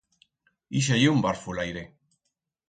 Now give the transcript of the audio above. Ixe ye un barfulaire.